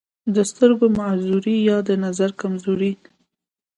دَسترګو دَمعذورۍ يا دَنظر دَکمزورۍ